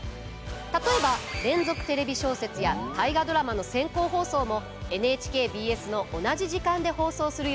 例えば「連続テレビ小説」や「大河ドラマ」の先行放送もＮＨＫＢＳの同じ時間で放送する予定です。